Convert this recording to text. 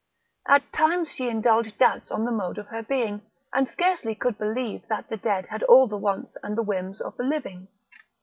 At times she indulged doubts on the mode of her being, and scarcely could believe that the dead had all the wants and the whims of the living.